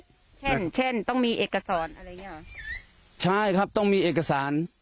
เช่นเช่นต้องมีเอกสารอะไรอย่างเงี้เหรอใช่ครับต้องมีเอกสาร